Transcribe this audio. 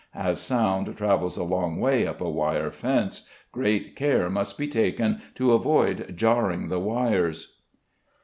As sound travels a long way up a wire fence, great care must be taken to avoid jarring the wires.